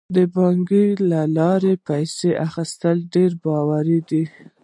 د بانک له لارې د پیسو اخیستل ډیر باوري دي.